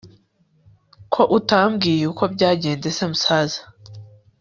ko utambwiye uko byagenze se msaza